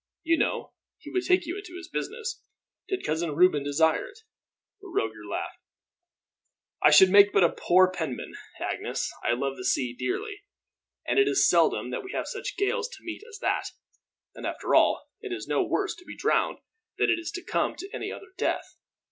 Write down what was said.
You know he would take you into his business, did Cousin Reuben desire it." Roger laughed. "I should make but a poor penman, Agnes. I love the sea dearly, and it is seldom that we have such gales to meet as that; and after all, it is no worse to be drowned than it is to come to any other death.